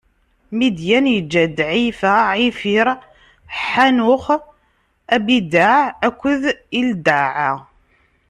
Midyan iǧǧa-d: Ɛiyfa, Ɛifiṛ, Ḥanux, Abidaɛ akked Ildaɛa.